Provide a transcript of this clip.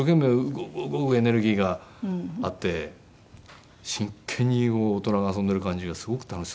ゴウゴウゴウエネルギーがあって真剣に大人が遊んでる感じがすごく楽しそうで。